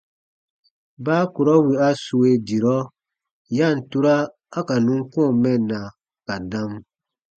Baa kurɔ wì a sue dirɔ, ya ǹ tura a ka nùn kɔ̃ɔ mɛnna ka dam.